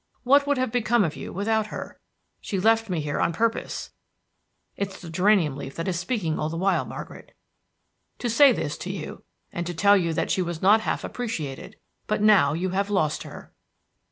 What would have become of you without her? She left me here on purpose' it's the geranium leaf that is speaking all the while, Margaret 'to say this to you, and to tell you that she was not half appreciated; but now you have lost her.'"